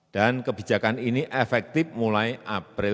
dan kebijakan ini efektif mulai april dua ribu dua puluh